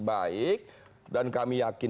baik dan kami yakin